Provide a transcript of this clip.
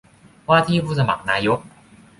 ว่าที่ผู้สมัครนายก